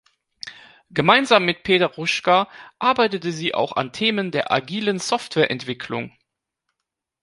Gemeinsam mit Peter Hruschka arbeitete sie auch an Themen der agilen Softwareentwicklung.